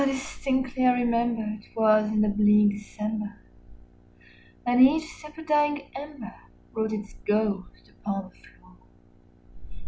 Ah, distinctly I remember it was in the bleak December, And each separate dying ember wrought its ghost upon the floor.